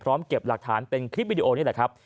เก็บหลักฐานเป็นคลิปวิดีโอนี่แหละครับ